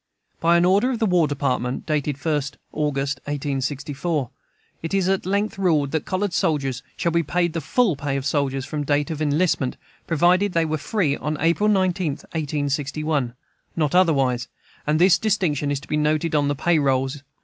By an order of the War Department, dated August 1, 1864, it is at length ruled that colored soldiers shall be paid the full pay of soldiers from date of enlistment, provided they were free on April 19, 1861, not otherwise; and this distinction is to be noted on the pay rolls.